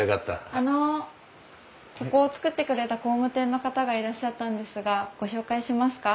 あのここを造ってくれた工務店の方がいらっしゃったんですがご紹介しますか？